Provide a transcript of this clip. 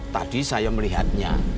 tadi saya melihatnya